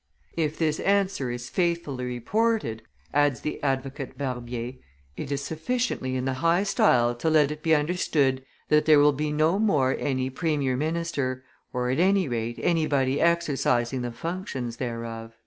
If this answer is faithfully reported," adds the advocate Barbier, "it is sufficiently in the high style to let it be understood that there will be no more any premier minister, or at any rate any body exercising the functions thereof."